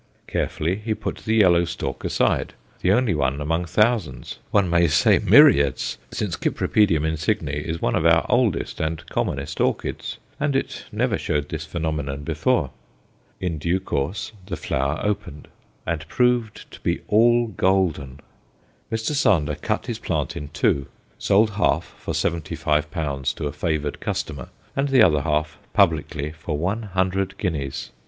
Carefully he put the yellow stalk aside the only one among thousands, one might say myriads, since C. insigne is one of our oldest and commonest orchids, and it never showed this phenomenon before. In due course the flower opened, and proved to be all golden! Mr. Sander cut his plant in two, sold half for seventy five pounds to a favoured customer, and the other half, publicly, for one hundred guineas.